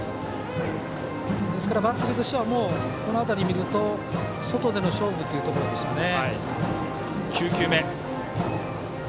ですからバッテリーとしてはこの辺りを見ると外での勝負というところですよね。